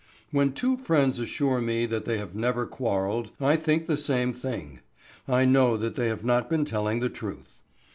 When two friends assure me that they have never quarrelled I think the same thing. I know that they have not been telling the truth.